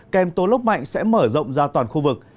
kèm tố lốc mạnh sẽ mở rộng ra toàn khu vực